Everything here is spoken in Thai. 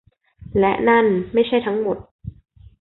และนั่นไม่ใช่ทั้งหมด